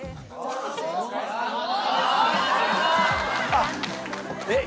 あっえっ？